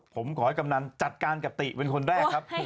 ผมขอให้กำนันจัดการกับติเป็นคนแรกครับ